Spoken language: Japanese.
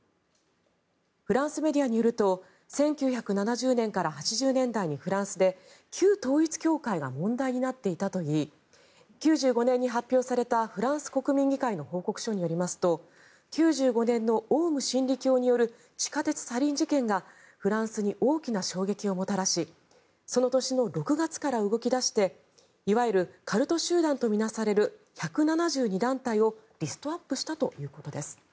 フランスメディアによると１９７０年から８０年代にフランスで、旧統一教会が問題になっていたといい９５年に発表されたフランス国民議会の報告書によりますと９５年のオウム真理教による地下鉄サリン事件がフランスに大きな衝撃をもたらしその年の６月から動き出していわゆるカルト集団と見なされる１７２団体をリストアップしたということです。